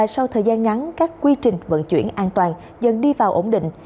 sau thời gian ngắn các quy trình vận chuyển an toàn dần đi vào ổn định